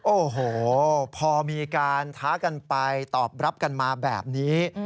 โอ้โหพอมีการท้ากันไปตอบรับกันมาแบบนี้